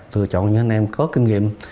tựa chọn những anh em có kinh nghiệm